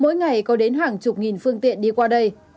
mỗi ngày có đến hàng chục nghìn phương tiện đi qua đây